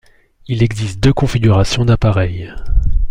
Il existe deux configurations d'appareil.